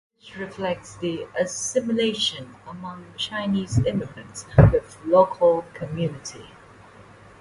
The dish reflect the assimilation among Chinese immigrants with local community.